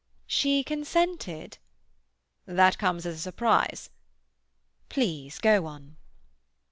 "She consented?" "That comes as a surprise?" "Please go on."